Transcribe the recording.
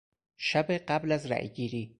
شب قبل از رای گیری